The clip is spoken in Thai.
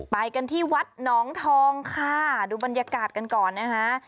ไปกันที่วัดหนองทองค่ะดูบรรยากาศกันก่อนนะคะ